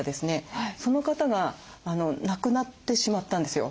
その方が亡くなってしまったんですよ。